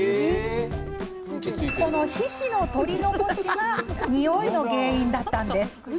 この皮脂の取り残しがにおいの原因だったんです。